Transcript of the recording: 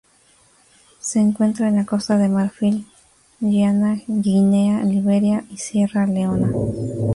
Se encuentra en la Costa de Marfil, Ghana, Guinea, Liberia y Sierra Leona.